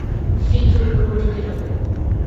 শীঘ্র প্রহরীকে ডাক।